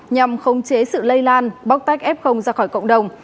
nhằm khống chế sự lây lan bóc tách f ra khỏi cộng đồng